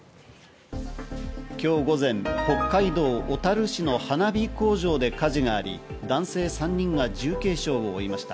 今日午前、北海道小樽市の花火工場で火事があり、男性３人が重軽傷を負いました。